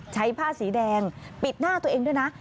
ใช้ผ้าสีแดงปิดหน้าตัวเองด้วยนะ